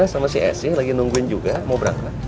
sama si lagi nungguin juga mau berangkat